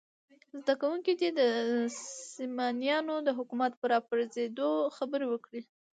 زده کوونکي دې د سامانیانو د حکومت په راپرزېدو خبرې وکړي.